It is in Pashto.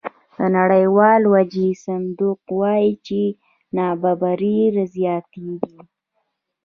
د نړیوال وجهي صندوق وایي چې نابرابري زیاتېږي